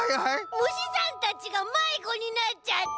むしさんたちがまいごになっちゃった。